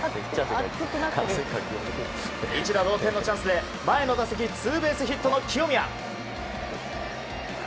一打同点のチャンスで前の打席ツーベースヒットの清宮。